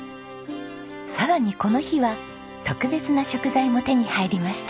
さらにこの日は特別な食材も手に入りました。